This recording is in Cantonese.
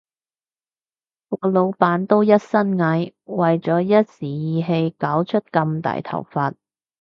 個老闆都一身蟻，為咗一時意氣搞出咁大頭佛